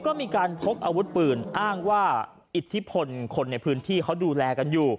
ก็มีการพกอาวุธปืนอ้างว่าอิทธิพลคนในพื้นที่เขาดูแลกันอยู่